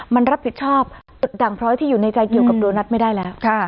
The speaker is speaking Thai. มันรับผิดชอบดังเพราะที่อยู่ในใจเกี่ยวกับโดนัทไม่ได้แล้วค่ะ